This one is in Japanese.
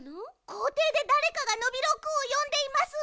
こうていでだれかがノビローくんをよんでいます。